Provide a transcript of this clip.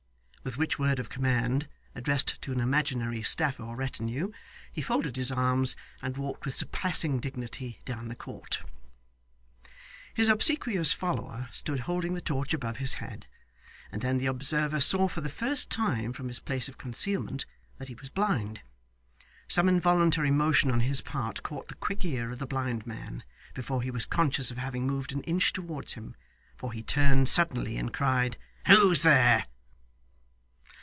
With which word of command (addressed to an imaginary staff or retinue) he folded his arms, and walked with surpassing dignity down the court. His obsequious follower stood holding the torch above his head, and then the observer saw for the first time, from his place of concealment, that he was blind. Some involuntary motion on his part caught the quick ear of the blind man, before he was conscious of having moved an inch towards him, for he turned suddenly and cried, 'Who's there?